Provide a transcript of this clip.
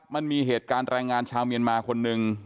มันมีเหตุการณ์แรงงานชาวเมียนมาคนหนึ่ง